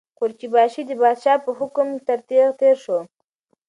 قورچي باشي د پادشاه په حکم تر تېغ تېر شو.